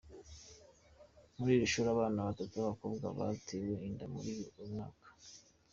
Muri iri shuri, abana batatu b’abakobwa batewe inda muri uyu mwaka.